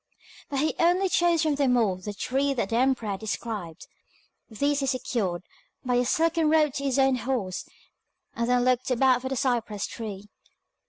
But he only chose from them all the three that the emperor had described. These he secured by a silken rope to his own horse, and then looked about for the cypress tree.